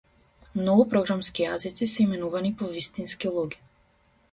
Многу програмски јазици се именувани по вистински луѓе.